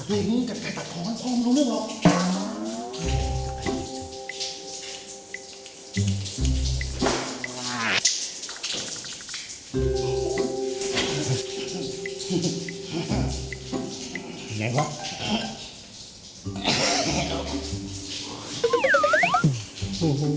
หง่กันจนทอดขอแล้วลูกลูกออก